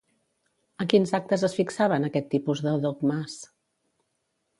En quins actes es fixaven aquest tipus de dogmes?